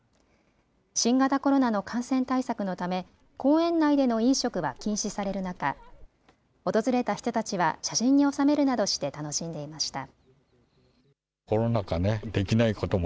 新型コロナの感染対策のため公園内での飲食は禁止される中、訪れた人たちは写真に収めるなどして楽しんでいました。